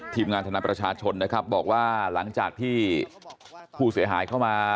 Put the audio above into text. ทีมงานทนายประชาชนนะครับบอกว่าหลังจากที่ผู้เสียหายเข้ามา